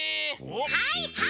はいはい！